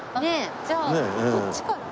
じゃあこっちから。